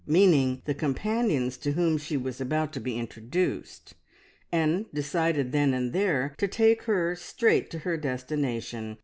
meaning the companions to whom she was about to be introduced, and decided then and there to take her straight to her destination.